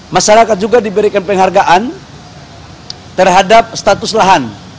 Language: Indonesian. masyarakat juga diberikan penghargaan terhadap status lahan